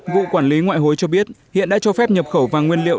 vụ quản lý ngoại hối cho biết hiện đã cho phép nhập khẩu vàng nguyên liệu